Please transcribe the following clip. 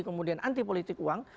kemudian anti politik uang